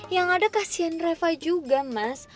yang ada kasian reva juga mas